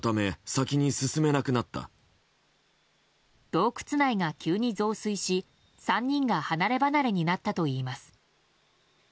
洞窟内が急に増水し３人が離ればなれになったといいます。